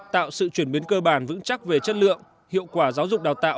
tạo sự chuyển biến cơ bản vững chắc về chất lượng hiệu quả giáo dục đào tạo